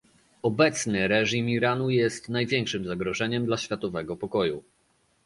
Obecny reżim Iranu jest największym zagrożeniem dla światowego pokoju